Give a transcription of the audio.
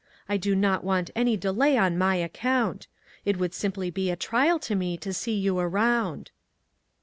I do not want any delay on my account. It would simply be a trial to me to see you around."